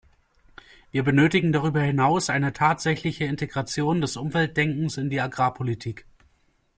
Wir benötigen darüber hinaus eine tatsächliche Integration des Umweltdenkens in die Agrarpolitik.